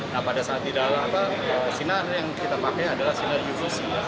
nah pada saat di dalam sinar yang kita pakai adalah siner ujui